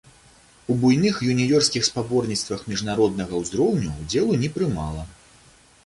У буйных юніёрскіх спаборніцтвах міжнароднага ўзроўню ўдзелу не прымала.